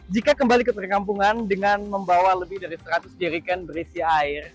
jika kembali ke perkampungan dengan membawa lebih dari seratus jerikan berisi air